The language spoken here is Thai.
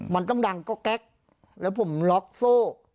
มันต้องดังก็แก๊กแล้วผมล็อกโซ่